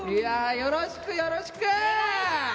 よろしく、よろしく！